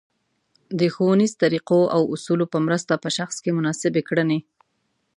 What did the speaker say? د ښونیزو طریقو او اصولو په مرسته په شخص کې مناسبې کړنې